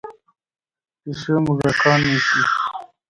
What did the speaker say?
پیشو موږکان نیسي.